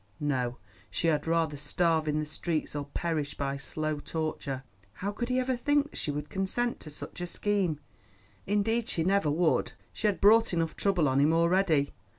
No, she had rather starve in the streets or perish by slow torture. How could he ever think that she would consent to such a scheme? Indeed she never would; she had brought enough trouble on him already.